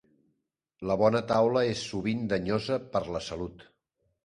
La bona taula és sovint danyosa per a la salut.